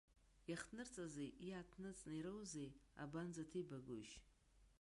Иахҭнырҵази иаҭныҵны ираузи абанӡаҭибагоишь?